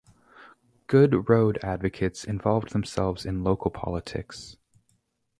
Good road advocates involved themselves in local politics.